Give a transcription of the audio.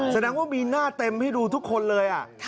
แสดงว่ามีหน้าเต็มให้ดูทุกคนเลย